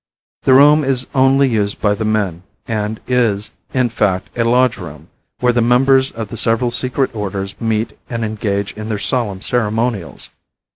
The room is only used by the men, and is, in fact, a lodge room, where the members of the several secret orders meet and engage in their solemn ceremonials.